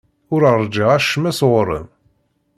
Ur ṛjiɣ acemma sɣur-m.